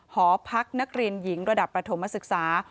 หอพักนักเรียนหญิงระดับประถมศึกษา